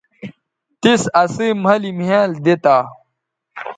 تِس اسئ مھلِ مھیال دی تا